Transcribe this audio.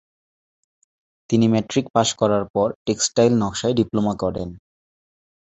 তিনি matric pass করার পর টেক্সটাইল নকশায় ডিপ্লোমা করেন।